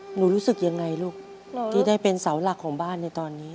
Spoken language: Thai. รู้สึกยังไงลูกที่ได้เป็นเสาหลักของบ้านในตอนนี้